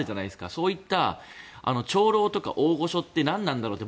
そういった長老とか大御所って何なんだろうって